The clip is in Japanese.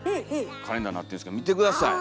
カレンダーになってるんですけど見て下さい。